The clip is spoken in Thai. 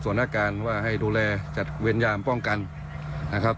ส่วนอาการว่าให้ดูแลจัดเวรยามป้องกันนะครับ